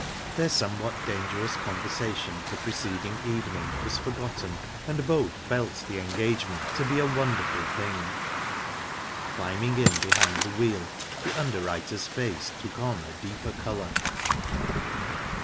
Their somewhat dangerous conversation of the preceding evening was forgotten, and both felt the engagement to be a wonderful thing. Climbing in behind the wheel, the underwriter's face took on a deeper colour.